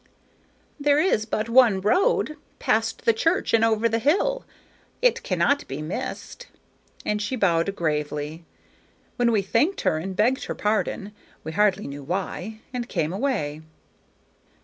"There is but one road, past the church and over the hill. It cannot be missed." And she bowed gravely, when we thanked her and begged her pardon, we hardly knew why, and came away.